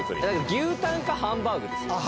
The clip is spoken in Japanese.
牛タンかハンバーグです。